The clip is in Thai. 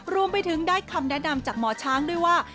รวมไปถึงได้คำแนะนำจากหมอช้างด้วยว่า